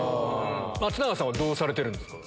松永さんはどうされてるんですか？